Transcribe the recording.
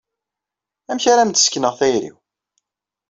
Amek ara am-d-sekneɣ tayri-iw?